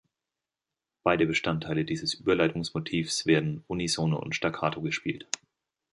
Beide Bestandteile dieses „Überleitungs-Motivs“ werden unisono und staccato gespielt.